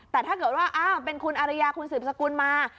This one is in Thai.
แต่ถ้าเกิดว่าอ้าวเป็นคุณอารยาคุณสืบสกุลมา